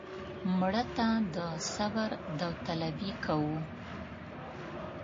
مړه ته د صبر داوطلبي کوو